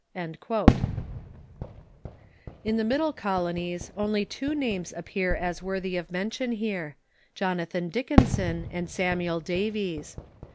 '"* In the Middle Colonies only two names appear as worthy of mention here — Jonathan Dickinson and Samuel Davies.